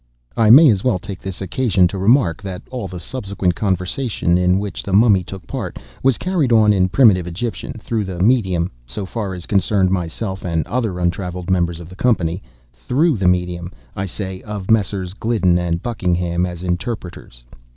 I may as well take this occasion to remark, that all the subsequent conversation in which the Mummy took a part, was carried on in primitive Egyptian, through the medium (so far as concerned myself and other untravelled members of the company)—through the medium, I say, of Messieurs Gliddon and Buckingham, as interpreters.